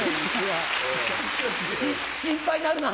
心配になるな。